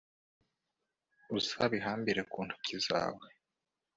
uzabihambire ku ntoki zawe